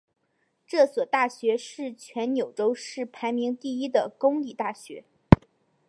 这所大学是全纽约州排名第一的公立大学。